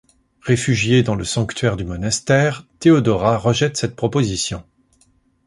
Réfugiée dans le sanctuaire du monastère, Théodora rejette cette proposition.